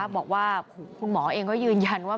บอกว่าคุณหมอเองก็ยืนยันว่า